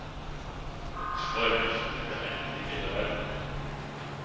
Ich freue mich, wenn wir einen Millimeter weiterkommen.